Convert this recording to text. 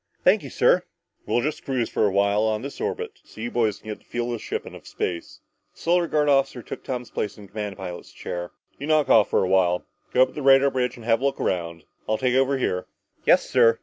"Thank you, sir." "We'll just cruise for a while on this orbit so you boys can get the feel of the ship and of space." The Solar Guard officer took Tom's place in the command pilot's chair. "You knock off for a while. Go up to the radar bridge and have a look around. I'll take over here." "Yes, sir."